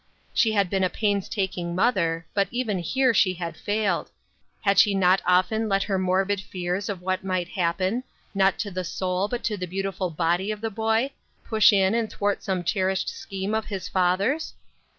She had been a painstaking mother, but even here she had failed. Had she not often let her morbid fears of what might happen, not to the soul, but to the beautiful body of the boy, push in and thwart some cherished scheme of his father's